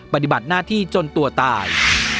ปฏิบัติหน้าที่จนตัวตาย